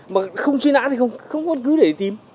mà không truy nã thì không có cứ để tìm